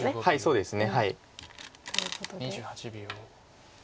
そうですね。ということで。